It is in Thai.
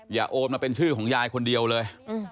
อย่าโอนมาเป็นชื่อของยายคนเดียวเลย